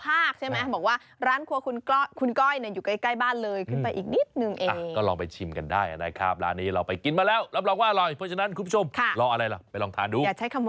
อาหารอร่อยจริงวันนี้เพราะฉะนั้นคุณผู้ชม